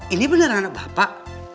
ini bener anak bapak